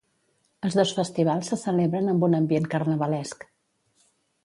Els dos festivals se celebren amb un ambient carnavalesc.